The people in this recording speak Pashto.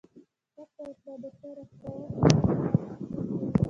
ټک ورکړه دسره هوس تیره لړمه چرته یې؟